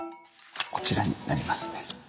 こちらになりますね